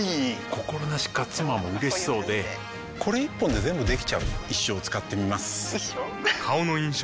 心なしか妻も嬉しそうでこれ一本で全部できちゃう一生使ってみます一生？